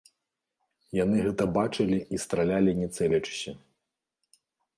Яны гэта бачылі і стралялі не цэлячыся.